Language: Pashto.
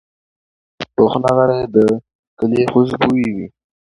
پوخ نغری د کلي خوشبويي وي